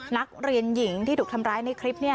นักเรียนหญิงที่ถูกทำร้ายในคลิปนี้